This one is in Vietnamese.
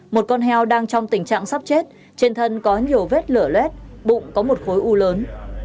một con heo đang trong tình trạng sắp chết trên thân có nhiều vết lở lét bụng có một khối u lớn